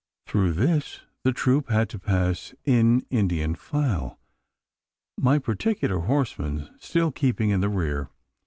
Through this the troop had to pass in Indian file my particular horseman still keeping in the rear.